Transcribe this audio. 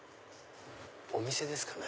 お店ですかね。